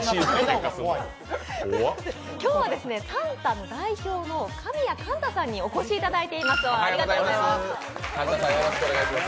今日はさん太の代表の神谷敢太さんにお越しいただいています。